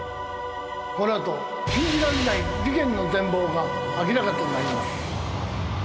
この後信じられない事件の全貌が明らかとなります。